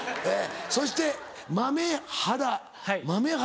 そして豆原？